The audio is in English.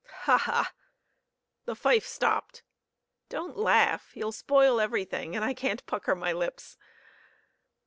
"Ha! ha!" The fife stopped. "Don't laugh. You'll spoil everything, and I can't pucker my lips."